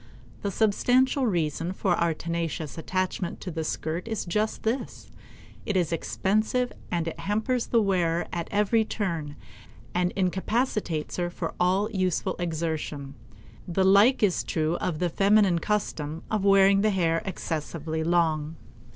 The substantial reason for our tenacious attachment to the skirt is just this; it is expensive and it hampers the wearer at every turn and incapacitates her for all useful exertion. The like is true of the feminine custom of wearing the hair excessively long.